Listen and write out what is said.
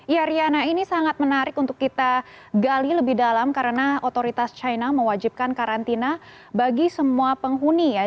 iya riana ini sangat menarik untuk kita gali lebih dalam karena otoritas china mewajibkan karantina bagi semua penghuni ya